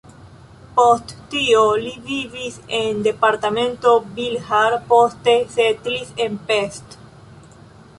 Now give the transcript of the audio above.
Post tio, li vivis en departemento Bihar, poste setlis en Pest.